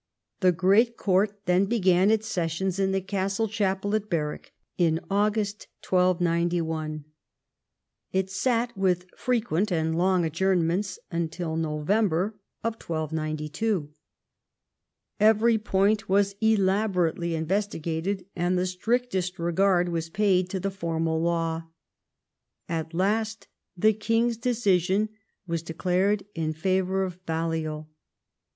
The great court then began its sessions in the castle chapel at Berwick in August 1291. It sat, with fre quent and long adjournments, until November 1292. Every point was elaborately investigated, and the strictest regard was paid to the formal law. At last the king's decision was declared in favour of Balliol.